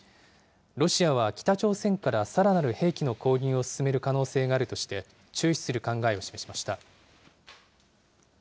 ロシアは北朝鮮からさらなる兵器の購入を進める可能性があるとして、注視する考えを示しました。